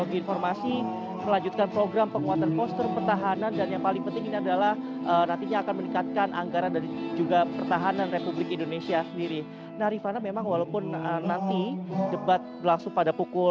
itu hanya tinggal gongnya saja